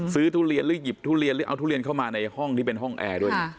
ทุเรียนหรือหยิบทุเรียนหรือเอาทุเรียนเข้ามาในห้องที่เป็นห้องแอร์ด้วยนะ